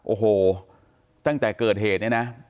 โอ้โหตั้งแต่เกิดเหตุเนี่ยนะ